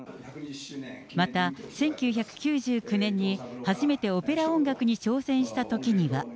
また１９９９年に初めてオペラ音楽に挑戦したときには。